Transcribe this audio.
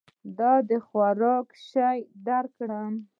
د خوراک یو شی درکړم؟